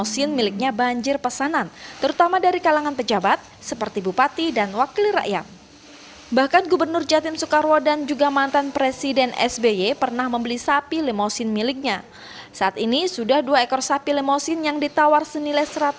jika penjualan sapi kurban lebih awal untuk menghindari lonjakan harga mendekati hari raya idul adha